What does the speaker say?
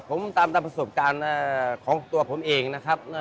ผมตามตามประสบการณ์ของตัวผมเองนะครับ